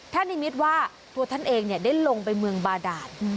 แท่นิมิตว่าตัวท่านเองเนี่ยได้ลงไปเมืองบาดาล